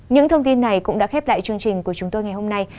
những thông tin này cũng đã khép lại chương trình của chúng tôi ngày hôm nay